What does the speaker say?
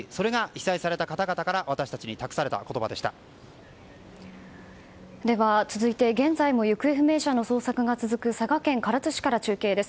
それが被災された方々から私たちに託されたでは、続いて現在も行方不明者の捜索が続く佐賀県唐津市から中継です。